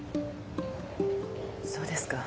そうですか。